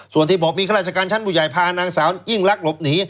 ส่วนที่บอกมีข้าราชการชั้นผู้ใหญ่พานางสาวยิ่งลักษณ์หลบหนี